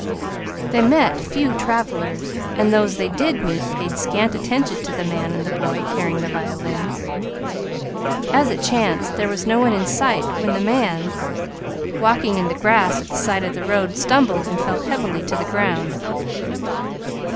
They met few fellow travelers, and those they did meet paid scant attention to the man and the boy carrying the violins. As it chanced, there was no one in sight when the man, walking in the grass at the side of the road, stumbled and fell heavily to the ground.